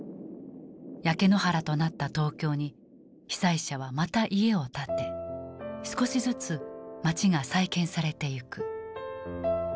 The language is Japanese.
焼け野原となった東京に被災者はまた家を建て少しずつ街が再建されていく。